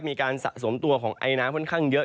สะสมตัวของไอน้ำค่อนข้างเยอะ